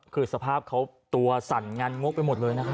คือสภาพเขาตัวสั่นงันงกไปหมดเลยนะครับ